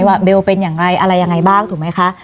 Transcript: ว่าเบลเป็นอย่างไรอะไรยังไงบ้างถูกไหมคะ